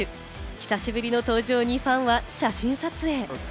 久しぶりの登場にファンは写真撮影。